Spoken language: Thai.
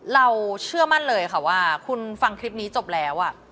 เราเชื่อมั่นเลยค่ะว่าคุณฟังคลิปนี้จบแล้ว